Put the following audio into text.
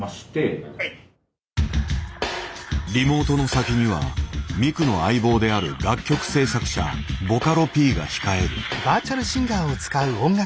リモートの先にはミクの相棒である楽曲制作者「ボカロＰ」が控える。